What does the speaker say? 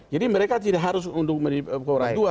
jadi mereka tidak harus untuk beri beras dua